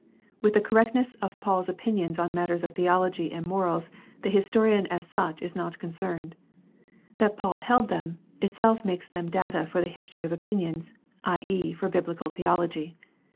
With the correctness of Paul's opinions on matters of theology and morals the historian as such is not concerned. That Paul held them, itself makes them data for the history of opinion, i.e., for biblical theology.